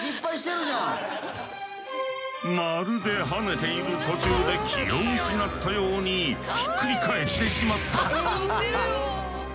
まるで跳ねている途中で気を失ったようにひっくり返ってしまった。